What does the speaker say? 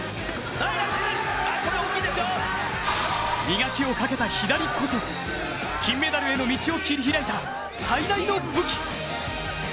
磨きをかけた左こそ、金メダルへの道を切り開いた最大の武器。